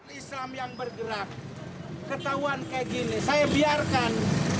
islam yang bergerak ketahuan kayak gini saya biarkan